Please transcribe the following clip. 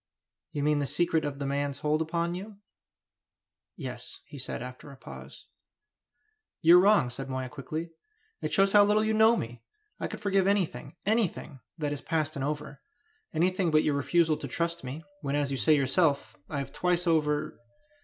"You mean the secret of the man's hold upon you?" "Yes," he said, after a pause. "You are wrong," said Moya, quickly. "It shows how little you know me! I could forgive anything anything that is past and over. Anything but your refusal to trust me ... when as you say yourself ... I have twice over...."